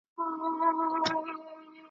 کله کله حاسد د محسود د وژلو پريکړه کوي.